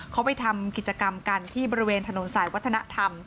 เขาไปทำกิจกรรมกันที่บริเวณถนนสายวัฒนธรรม